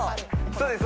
そうです